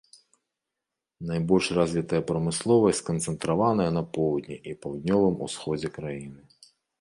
Найбольш развітая прамысловасць сканцэнтраваная на поўдні і паўднёвым усходзе краіны.